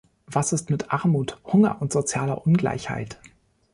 Was ist mit Armut, Hunger und sozialer Ungleichheit?